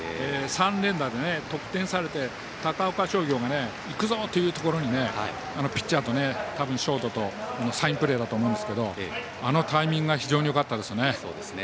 ３連打で得点されて、高岡商業がいくぞ！っていうところにピッチャーとショートのサインプレーだと思いますがあのタイミングは非常によかったですね。